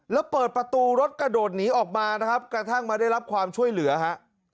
แล้วเปิดประตูรถกระโดดหนีออกมานะครับกระทั่งมาได้รับความช่วยเหลือฮะ